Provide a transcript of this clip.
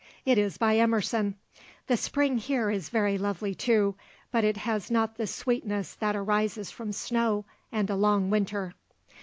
It is by Emerson. The Spring here is very lovely, too, but it has not the sweetness that arises from snow and a long winter.